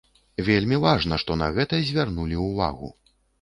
Вельмі важна, што на гэта звярнулі ўвагу.